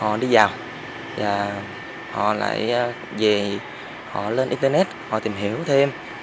họ đi vào và họ lại về họ lên internet họ tìm hiểu thêm